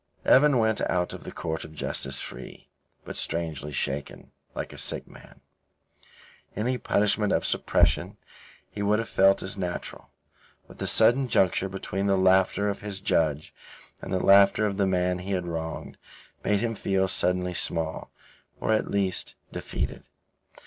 Evan went out of the Court of Justice free, but strangely shaken, like a sick man. Any punishment of suppression he would have felt as natural; but the sudden juncture between the laughter of his judge and the laughter of the man he had wronged, made him feel suddenly small, or at least, defeated.